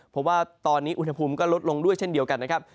เพราะว่าตอนนี้อุณหภูมิก็ลดลงด้วยเช่นเดียวกันนะครับ